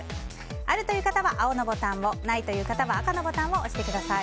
あるという方は青のボタンをないという方は赤のボタンを押してください。